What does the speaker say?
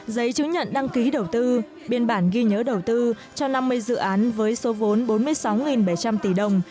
giấy chứng nhận đăng ký đầu tư biên bản ghi nhớ đầu tư cho năm mươi dự án với số vốn bốn mươi sáu bảy trăm linh tỷ đồng